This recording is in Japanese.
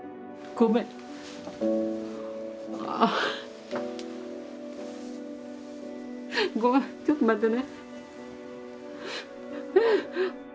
ごめんちょっと待ってね。